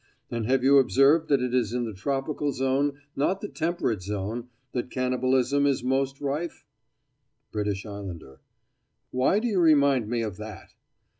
And have you observed that it is in the tropical zone, not the temperate zone, that cannibalism is most rife? BRITISH ISLANDER: Why do you remind me of that?